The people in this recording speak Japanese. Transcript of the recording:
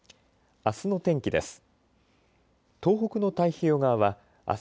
あすの天気です。